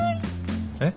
えっ？